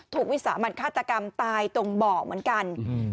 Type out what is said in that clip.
วิสามันฆาตกรรมตายตรงบ่อเหมือนกัน